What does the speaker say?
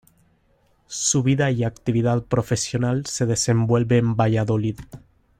Su vida y actividad profesional se desenvuelve en Valladolid.